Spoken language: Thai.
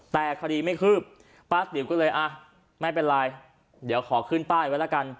แต่คดีไม่คืบป้าติ๋วก็เลยอ่ะไม่เป็นไรเดี๋ยวขอขึ้นป้ายไว้แล้วกัน